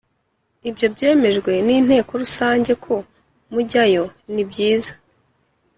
Iyo byemejwe n Inteko Rusange ko mujyayo nibyiza